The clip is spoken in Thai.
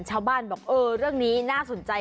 ชาวบ้านบอกเออเรื่องนี้น่าสนใจ